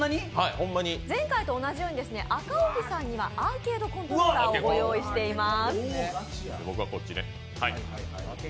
前回と同じように赤荻さんにはアーケードコントローラーを用意しております。